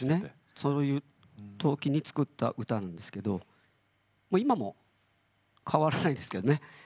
そのときに作った歌なんですけど今も変わらないですけどね。